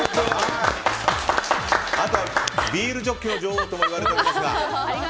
あとビールジョッキの女王ともいわれておりますが。